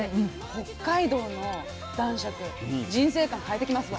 北海道の男爵人生観変えてきますわ。